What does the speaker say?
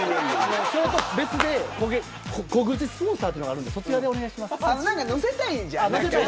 それとは別で小口スポンサーというのがあるんでそちらでお願いします。